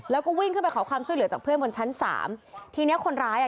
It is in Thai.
แล้วก็วิ่งขึ้นไปขอความช่วยเหลือจากเพื่อนบนชั้นสามทีเนี้ยคนร้ายอ่ะ